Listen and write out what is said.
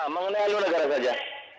mengenai halil negara saja